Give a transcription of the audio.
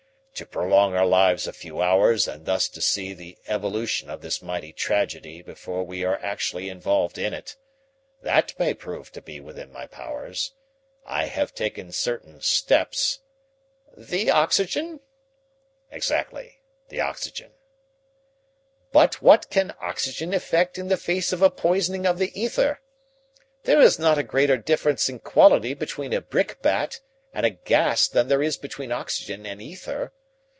"To prolong our lives a few hours and thus to see the evolution of this mighty tragedy before we are actually involved in it that may prove to be within my powers. I have taken certain steps " "The oxygen?" "Exactly. The oxygen." "But what can oxygen effect in the face of a poisoning of the ether? There is not a greater difference in quality between a brick bat and a gas than there is between oxygen and ether.